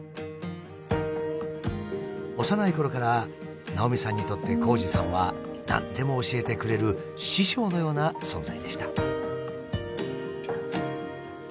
幼いころから直見さんにとって紘二さんは何でも教えてくれる師匠のような存在でした。